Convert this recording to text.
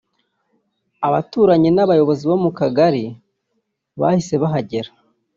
Abaturanyi n’abayobozi bo mu kagari bahise bahagera